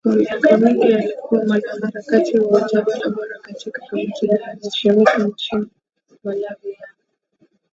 Kwa miaka mingi alikuwa mwanaharakati wa utawala bora katika kamati inayoheshimika nchini Malawi ya